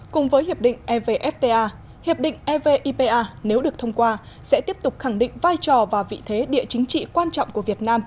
cùng với hiệp định evfta hiệp định evipa nếu được thông qua sẽ tiếp tục khẳng định vai trò và vị thế địa chính trị quan trọng của việt nam